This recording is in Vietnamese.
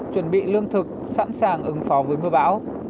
chuẩn bị lương thực sẵn sàng ứng phó với mưa bão